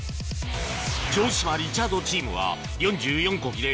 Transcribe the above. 城島・リチャードチームは４４コギで